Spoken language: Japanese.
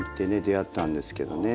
出会ったんですけどね。